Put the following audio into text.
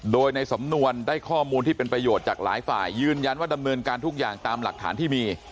โดยในสำนวนได้ข้อมูลที่เป็นประโยชน์จากหลายฝ่ายยืนยันว่าดำเนินการทุกอย่างตามหลักฐานที่มี